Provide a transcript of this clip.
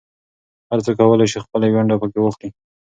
هر څوک کولای شي خپله ونډه پکې واخلي.